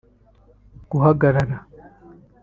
guhagarara